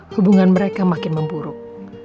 hubungan mereka makin memburuk